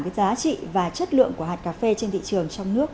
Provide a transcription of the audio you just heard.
cái giá trị và chất lượng của hạt cà phê trên thị trường trong nước